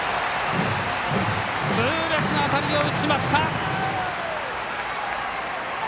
痛烈な当たりを打ちました！